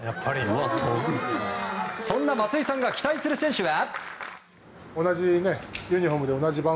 そんな松井さんが期待する選手は？